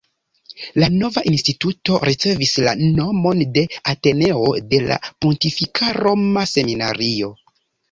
La nova Instituto ricevis la nomon de “Ateneo de la Pontifika Roma Seminario”.